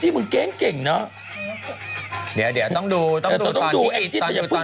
อ้อมีเคลื่อนไหวด้วยนางวะ